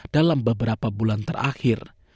dalam beberapa bulan terakhir